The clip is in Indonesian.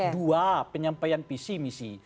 dua penyampaian pc misi